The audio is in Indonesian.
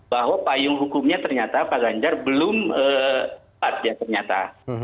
bahwa payung hukumnya ternyata pak ganjar belum tepat ya ternyata